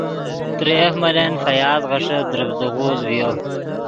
ترے یف ملن فیاض غیݰے دروڤدے غوز